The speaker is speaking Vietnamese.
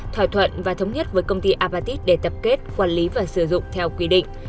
thỏa thuận và thống nhất với công ty avatit để tập kết quản lý và sử dụng theo quy định